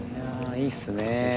いいっすね。